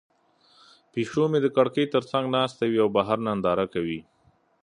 پیشو مې د کړکۍ تر څنګ ناسته وي او بهر ننداره کوي.